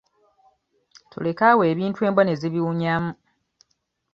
Toleka awo ebintu embwa ne zibiwunyamu.